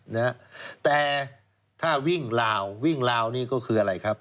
นะฮะแต่ถ้าวิ่งลาววิ่งลาวนี่ก็คืออะไรครับ